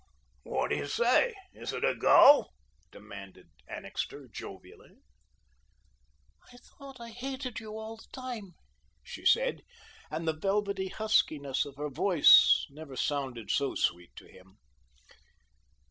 "What do you say? Is it a go?" demanded Annixter jovially. "I thought I hated you all the time," she said, and the velvety huskiness of her voice never sounded so sweet to him.